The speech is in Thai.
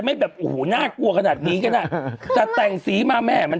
แบบโอ้โหน่ากลัวขนาดนี้กันอ่ะแต่แต่งสีมาแม่มัน